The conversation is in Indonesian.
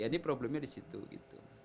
ini problemnya di situ gitu